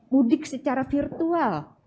mudik secara virtual